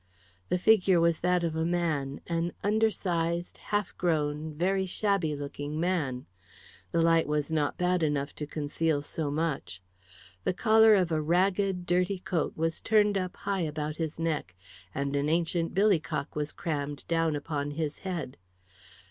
The figure was that of a man an undersized, half grown, very shabby looking man. The light was not bad enough to conceal so much. The collar of a ragged, dirty coat was turned up high about his neck, and an ancient billycock was crammed down upon his head.